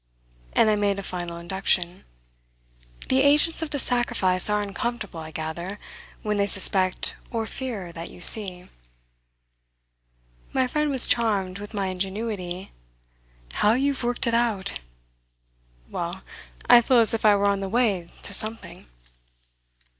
And I made a final induction. "The agents of the sacrifice are uncomfortable, I gather, when they suspect or fear that you see." My friend was charmed with my ingenuity. "How you've worked it out!" "Well, I feel as if I were on the way to something."